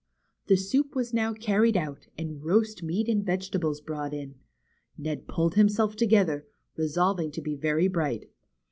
The soup was now carried out, and roast meat and vegetables brought in. Ned pulled himself together, resolving to be very bright.